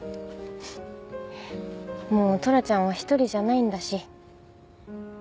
もうトラちゃんは一人じゃないんだし。